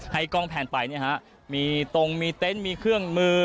กล้องแพนไปเนี่ยฮะมีตรงมีเต็นต์มีเครื่องมือ